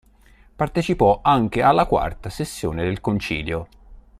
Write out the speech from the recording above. Partecipò anche alla quarta sessione del Concilio.